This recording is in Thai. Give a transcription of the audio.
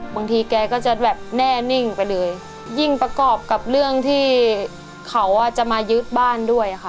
บางทีแกก็จะแบบแน่นิ่งไปเลยยิ่งประกอบกับเรื่องที่เขาอ่ะจะมายึดบ้านด้วยค่ะ